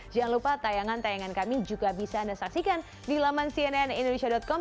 jangan lupa tayangan tayangan kami juga bisa anda saksikan di laman cnnindonesia com